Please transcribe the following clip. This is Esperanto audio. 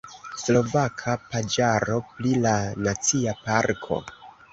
Slovaka paĝaro pri la nacia parko.